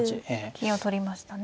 金を取りましたね。